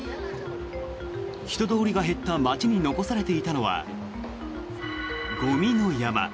人通りが減った街に残されていたのはゴミの山。